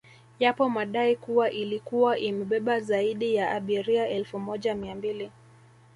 Yapo madai kuwa ilikuwa imebeba zaidi ya abiria elfu moja mia mbili